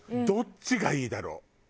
どっちがいいだろう？